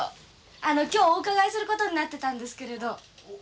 あの今日お伺いすることになってたんですけれど。